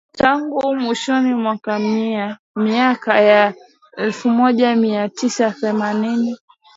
Tangu mwishoni mwa miaka ya elfumoja miatisa themanini